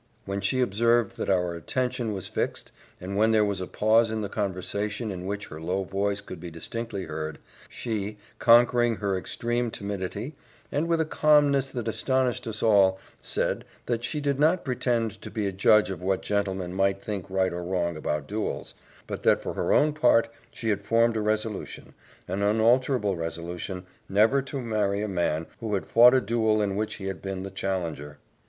When she observed that our attention was fixed, and when there was a pause in the conversation in which her low voice could be distinctly heard, she, conquering her extreme timidity, and with a calmness that astonished us all, said, that she did not pretend to be a judge of what gentlemen might think right or wrong about duels, but that for her own part she had formed a resolution an unalterable resolution, never to marry a man who had fought a duel in which he had been the challenger.